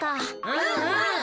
うんうん。